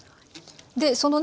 でそのね